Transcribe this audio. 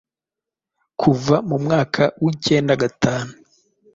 Kuva mu mwaka w’ikenda gatanu